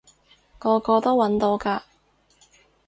個個都搵到㗎